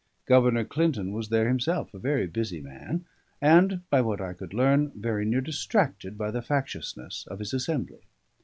Governor Clinton was there himself, a very busy man, and, by what I could learn, very near distracted by the factiousness of his Assembly.